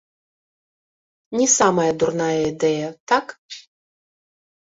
Не самая дурная ідэя, так?